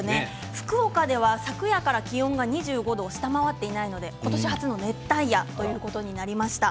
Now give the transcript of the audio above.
福岡では昨夜から気温が２５度を下回っていないので今年初の熱帯夜ということになりました。